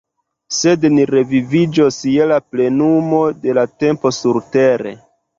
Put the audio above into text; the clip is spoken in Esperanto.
Sed ni reviviĝos je la plenumo de la tempo surtere.